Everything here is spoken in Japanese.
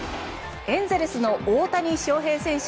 エンゼルスの大谷翔平選手